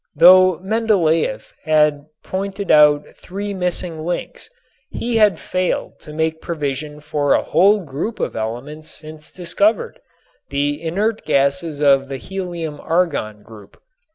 Though Mendeléef had pointed out three missing links, he had failed to make provision for a whole group of elements since discovered, the inert gases of the helium argon group.